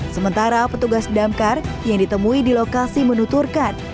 sementara petugas damkar yang ditemui di lokasi menuturkan